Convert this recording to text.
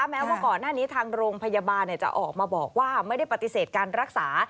แม้ว่าก่อนหน้านี้ทางโรงพยาบาลจะออกมาบอกว่าไม่ได้ปฏิเสธการรักษา